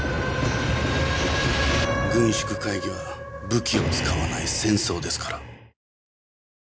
軍縮会議は武器を使わない戦争ですから。